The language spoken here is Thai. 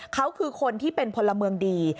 เขาคือคนที่เป็นพลเมืองดี